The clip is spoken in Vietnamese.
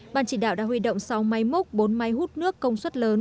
ban chỉ đạo đã huy động sáu máy mốc bốn máy hút nước công suất lớn